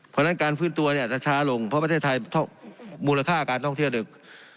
เพราะฉะนั้นการฟื้นตัวเนี่ยอาจจะช้าลงเพราะประเทศไทยมูลค่าการท่องเที่ยวดึก